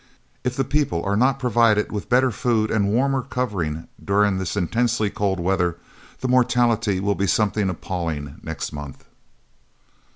If the people are not provided with better food and warmer covering during this intensely cold weather, the mortality will be something appalling next month."